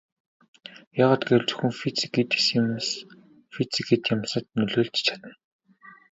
Яагаад гэвэл зөвхөн физик эд юмс физик эд юмсад нөлөөлж чадна.